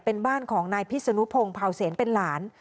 เป็นบ้านของนายพิษนุพงศ์เผาเซนเป็นหลาน